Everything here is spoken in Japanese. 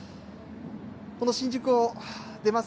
この新宿を出ます